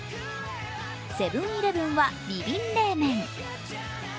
セブン−イレブンはビビン冷麺。